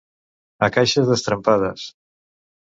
A caixes destrempades.